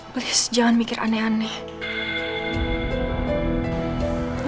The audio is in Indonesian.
please jangan mikir aneh aneh